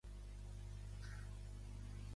El vint-i-nou de febrer en Guillem irà a Llucena.